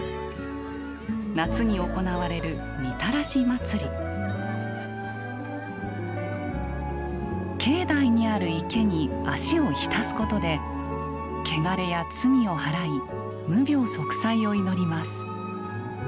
夏に行われる境内にある池に足を浸すことでけがれや罪をはらい無病息災を祈ります。